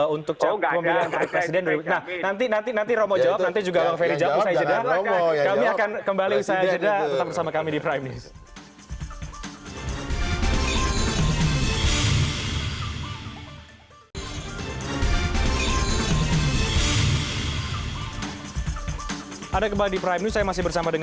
untuk memilih presiden